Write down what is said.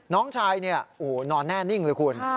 น้องชายนอนแน่นิ่งเลยคุณ